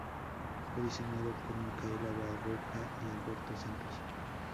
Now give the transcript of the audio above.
Fue diseñado por Micaela Barroca y Alberto Santos.